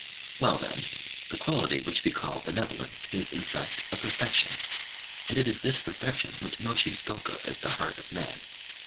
Well, then, the quality which we call benevolence is, in fact, a perfection; and it is this perfection which Môshi spoke of as the heart of man.